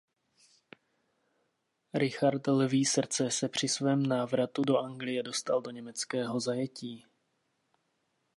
Richard Lví srdce se při svém návratu do Anglie dostal do německého zajetí.